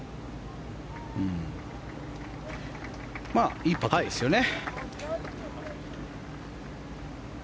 いいパットですよね。